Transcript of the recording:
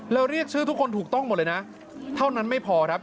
แล้วเรียกชื่อทุกคนถูกต้องหมดเลยนะเท่านั้นไม่พอครับ